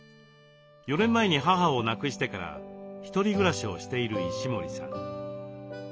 ４年前に母を亡くしてから１人暮らしをしている石森さん。